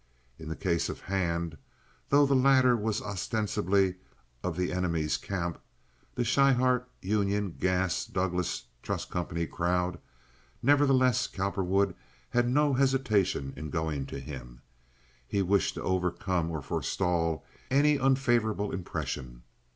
In the case of Hand, though the latter was ostensibly of the enemies' camp—the Schryhart Union Gas Douglas Trust Company crowd—nevertheless Cowperwood had no hesitation in going to him. He wished to overcome or forestall any unfavorable impression.